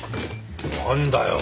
何だよ。